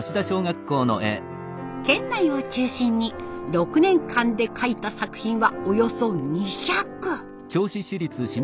県内を中心に６年間で描いた作品はおよそ２００。